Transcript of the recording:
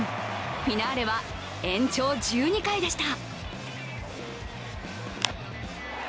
フィナーレは延長１２回でした。